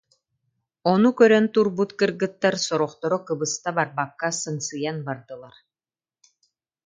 Ону көрөн турбут кыргыттар сорохторо кыбыста барбакка сыҥсыйан бардылар